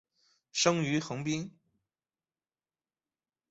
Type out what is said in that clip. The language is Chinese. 生于横滨。